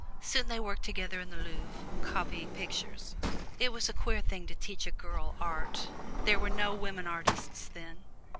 Soon they worked together in the Louvre, copying pictures. It was a queer thing to teach a girl art there were no women artists then.